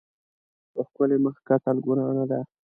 په ښکلي مخ کتل ګناه نه ده.